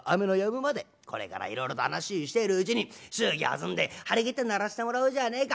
これからいろいろと話しているうちに祝儀弾んで張り切って鳴らしてもらおうじゃねえか。